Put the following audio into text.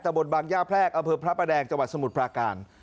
ตะบดบางย่าแพร่กอพระแดงจสมุทรพระการ